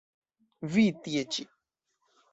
Vi, tie ĉi!